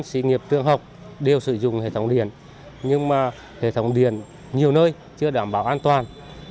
các sĩ nghiệp tương học đều sử dụng hệ thống điền nhưng mà hệ thống điền nhiều nơi chưa đảm bảo an toàn